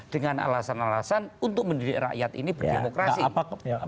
dengan alasan alasan untuk mendidik rakyat ini berdemokrasi